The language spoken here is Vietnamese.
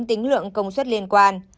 tính lượng công suất liên quan